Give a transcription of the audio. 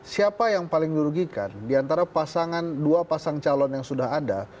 siapa yang paling dirugikan diantara pasangan dua pasang calon yang sudah ada